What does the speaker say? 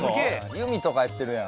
弓とか射ってるやん。